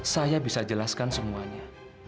saya bisa jelaskan semuanya